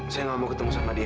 saya nggak mau ketemu sama dia